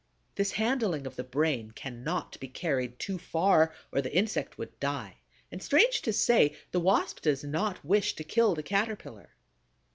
This handling of the brain cannot be carried too far, or the insect would die; and strange to say, the Wasp does not wish to kill the Caterpillar.